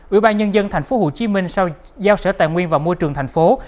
ủy ban nhân dân tp hcm sau giao sở tài nguyên vào môi trường tp hcm